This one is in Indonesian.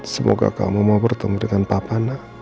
semoga kamu mau bertemu dengan papana